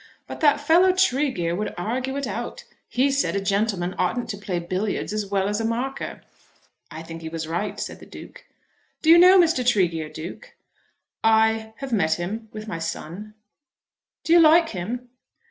But that fellow Tregear would argue it out. He said a gentleman oughtn't to play billiards as well as a marker." "I think he was right," said the Duke. "Do you know Mr. Tregear, Duke?" "I have met him with my son." "Do you like him?"